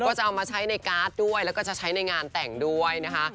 ก็จะเอามาใช้ในการ์ดด้วยแล้วก็จะใช้ในงานแต่งด้วยนะคะ